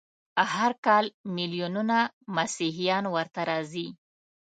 هر کال ملیونونه مسیحیان ورته راځي.